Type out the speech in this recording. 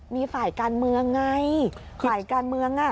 มีฝ่ายการเมืองไงฝ่ายการเมือง